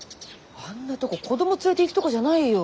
あんなとこ子供連れていくとこじゃないよ。